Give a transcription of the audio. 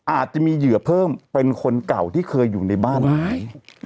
อาจจะมีเหยื่อเพิ่มเป็นคนเก่าที่เคยอยู่ในบ้านไม้